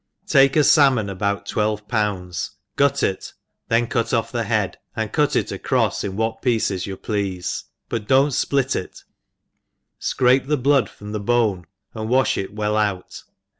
TAKE a falmpn about twelve pounds^ gut it,' then cut off the head, and'cut it a crofs iii what pieces you plcafe, buf don't fplitit, tfcrape the blood from the bone, and wafli it well out.